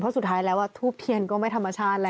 เพราะสุดท้ายแล้วทูบเทียนก็ไม่ธรรมชาติแล้ว